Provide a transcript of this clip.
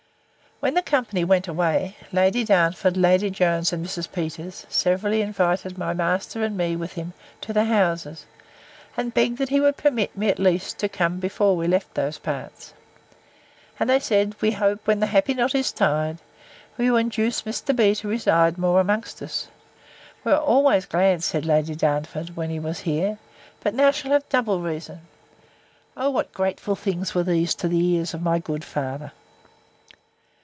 When the company went away, Lady Darnford, Lady Jones, and Mrs. Peters, severally invited my master, and me with him, to their houses; and begged he would permit me, at least, to come before we left those parts. And they said, We hope, when the happy knot is tied, you will induce Mr. B—— to reside more among us. We were always glad, said Lady Darnford, when he was here; but now shall have double reason. O what grateful things were these to the ears of my good father!